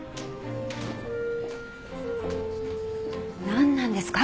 なんなんですか？